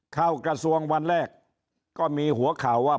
เข้ากระทรวงวันแรกก็มีหัวข่าวว่า